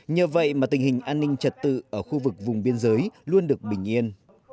nhờ vậy mà tình hình an ninh trật tự ở khu vực vùng biên giới luôn được bình yên